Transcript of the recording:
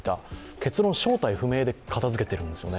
結論、正体不明で片づけているんですよね。